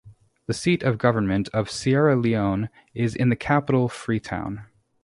The seat of government of Sierra Leone is in the capital Freetown.